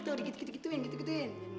tuh dikit gituin gitu gituin